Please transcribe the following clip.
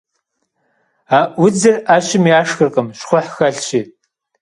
Аӏуудзыр ӏэщым яшхыркъым, щхъухь хэлъщи.